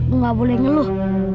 aku gak boleh ngeluh